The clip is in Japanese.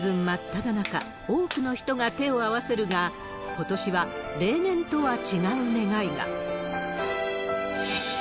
真っただ中、多くの人が手を合わせるが、ことしは例年とは違う願いが。